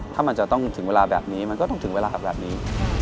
ถ้ามันจะต้องถึงเวลาแบบนี้มันก็ต้องถึงเวลาแบบนี้